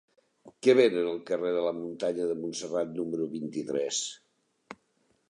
Què venen al carrer de la Muntanya de Montserrat número vint-i-tres?